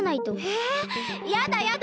えやだやだ！